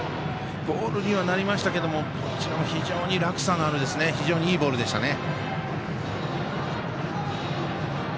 ボールにはなりましたけれども非常に落差のある非常にいいボールでしたね。